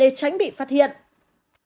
hãy đăng ký kênh để ủng hộ kênh của mình nhé